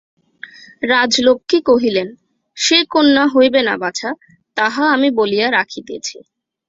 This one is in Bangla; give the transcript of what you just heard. রাজলক্ষ্মী কহিলেন, সে কন্যা হইবে না বাছা, তাহা আমি বলিয়া রাখিতেছি।